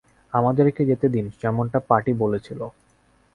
আমাদেরকে যেতে দিন, যেমনটা পার্টি বলেছিল।